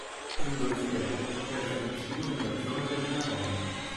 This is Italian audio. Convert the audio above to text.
Lungo le spiagge cercano il cibo nella zona delle maree.